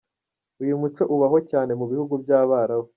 Uyu muco ubaho cyane mu bihugu by’Abarabu.